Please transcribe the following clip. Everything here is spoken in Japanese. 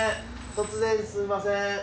突然すんません。